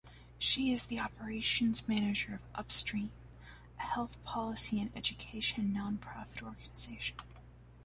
She is the operations manager of Upstream, a health policy and education non-profit organization.